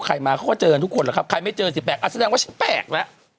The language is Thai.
ใครมาเขาก็เจอทุกคนหรอกครับใครไม่เจอสิแปลกอาจแสดงว่าแปลกแล้ว